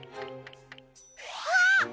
あっ！